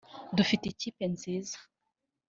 dufite ikipe nziza